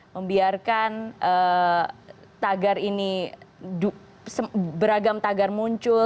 membiarkan tagar ini beragam tagar muncul